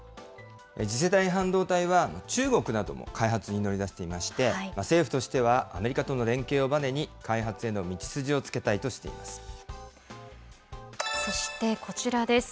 次世代半導体は、中国なども開発に乗り出していまして、政府としては、アメリカとの連携をばねに、開発への道筋をつけたいとそしてこちらです。